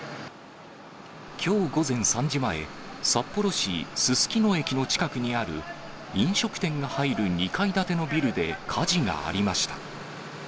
きょう午前３時前、札幌市すすきの駅の近くにある飲食店が入る２階建てのビルで火事がありました。